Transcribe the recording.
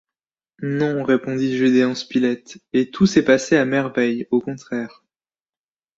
Non, répondit Gédéon Spilett, et tout s’est passé à merveille, au contraire.